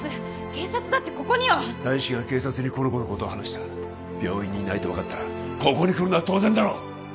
警察だってここには大使が警察にこの子のことを話した病院にいないと分かったらここに来るのは当然だろう！